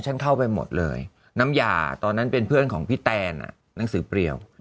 ฉันเข้าไปหมดเลยน้ำหย่าตอนนั้นเป็นเพื่อนของพี่แตนหนังสือเปรียว